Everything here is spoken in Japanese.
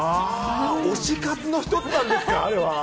推し活の一つなんですか、あれは。